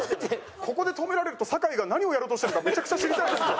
ここで止められると酒井が何をやろうとしてるのかめちゃくちゃ知りたいですよ。